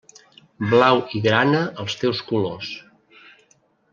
Blau i grana els teus colors.